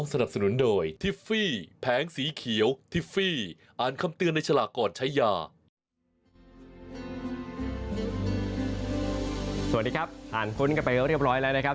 สวัสดีครับผ่านพ้นกันไปเรียบร้อยแล้วนะครับ